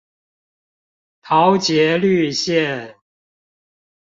桃捷綠線